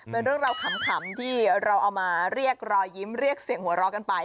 เป็นเรื่องราวขำที่เราเอามาเรียกรอยยิ้มเรียกเสียงหัวเราะกันไป